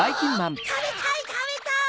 たべたいたべたい！